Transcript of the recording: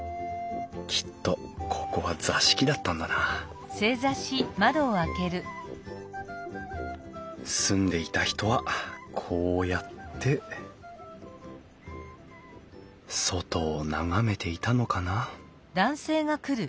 きっとここは座敷だったんだな住んでいた人はこうやって外を眺めていたのかな？